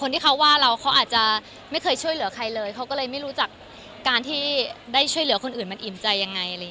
ที่เขาว่าเราเขาอาจจะไม่เคยช่วยเหลือใครเลยเขาก็เลยไม่รู้จักการที่ได้ช่วยเหลือคนอื่นมันอิ่มใจยังไงอะไรอย่างนี้